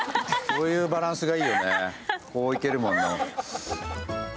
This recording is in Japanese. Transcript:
そういうバランスがいいよね、こういけるもんね。